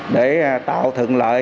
để tạo thượng lợi